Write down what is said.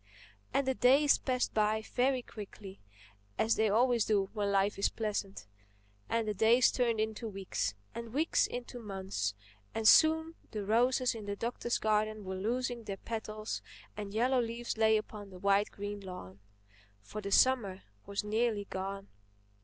And the days passed very quickly—as they always do when life is pleasant; and the days turned into weeks, and weeks into months; and soon the roses in the Doctor's garden were losing their petals and yellow leaves lay upon the wide green lawn. For the summer was nearly gone.